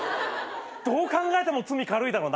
どう考えても罪軽いだろう。